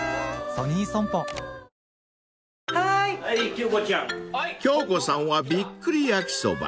［京子さんはびっくり焼きそば］